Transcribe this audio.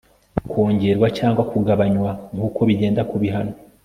kongerwa cyangwa kugabanywa nk'uko bigenda ku bihano